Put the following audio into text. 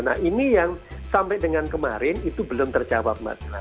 nah ini yang sampai dengan kemarin itu belum terjadi